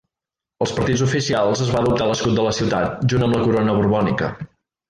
Als partits oficials, es va adoptar l'escut de la ciutat junt amb la corona borbònica.